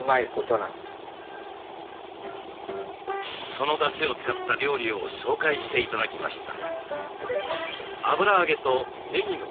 そのだしを使った料理を紹介して頂きました。